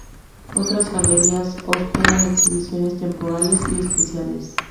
Otras galerías hospedan exhibiciones temporales y especiales.